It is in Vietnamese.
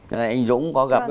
cái này anh dũng có gặp anh ấy